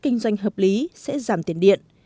kinh doanh hợp lý sẽ giảm tiền điện